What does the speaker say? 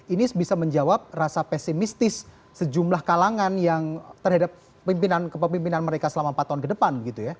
ini bisa menjawab rasa pesimistis sejumlah kalangan yang terhadap kepemimpinan mereka selama empat tahun ke depan